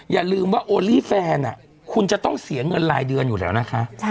อย่าลืมว่าโอลี่แฟนคุณจะต้องเสียเงินรายเดือนอยู่แล้วนะคะ